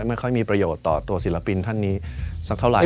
ไม่ค่อยมีประโยชน์ต่อตัวศิลปินท่านนี้สักเท่าไหร่